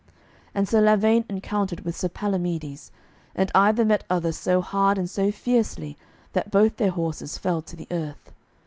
And Sir Lavaine encountered with Sir Palamides, and either met other so hard and so fiercely that both their horses fell to the earth.